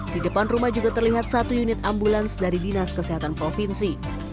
di depan rumah juga terlihat satu unit ambulans dari dinas kesehatan provinsi